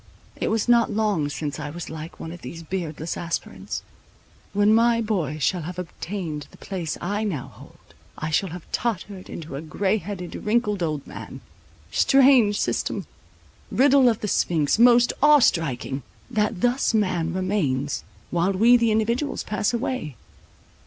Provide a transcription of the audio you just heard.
It was not long since I was like one of these beardless aspirants; when my boy shall have obtained the place I now hold, I shall have tottered into a grey headed, wrinkled old man. Strange system! riddle of the Sphynx, most awe striking! that thus man remains, while we the individuals pass away.